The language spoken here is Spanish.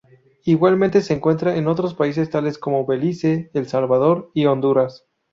Igualmente se encuentran en otros países tales como Belice, El Salvador y Honduras.